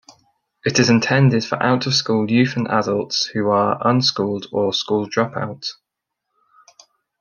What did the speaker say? It is intended for Out-of-School Youth and Adults who are unschooled or school drop-out.